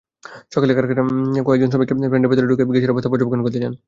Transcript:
সকালে কারখানার কয়েকজন শ্রমিক প্ল্যান্টের ভেতরে ঢুকে গ্যাসের অবস্থা পর্যবেক্ষণ করতে যান।